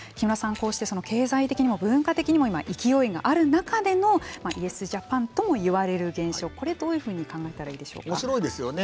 こうして経済的にも文化的にも今、勢いがある中でのイエスジャパンとも言われる現象これ、どういうふうにおもしろいですよね。